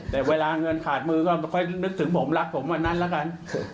แต่เวลาเงินขาดมือก็ค่อยนึกถึงผมรักผมวันนั้นแล้วกัน